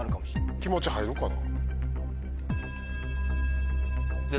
気持ち入るかな。